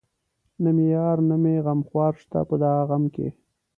نه مې يار نه مې غمخوار شته په دا غم کې